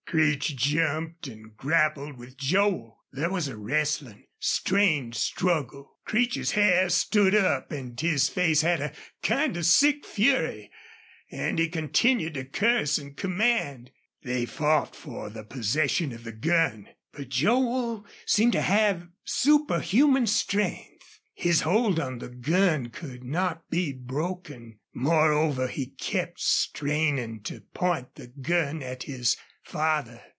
Creech jumped and grappled with Joel. There was a wrestling, strained struggle. Creech's hair stood up and his face had a kind of sick fury, and he continued to curse and command. They fought for the possession of the gun. But Joel seemed to have superhuman strength. His hold on the gun could not be broken. Moreover, he kept straining to point the gun at his father.